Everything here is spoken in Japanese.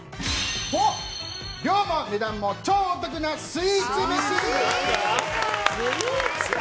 量も値段も超お得なスイーツ飯！